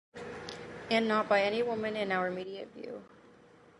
And not by any woman in our immediate view.